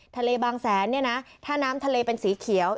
บางแสนเนี่ยนะถ้าน้ำทะเลเป็นสีเขียว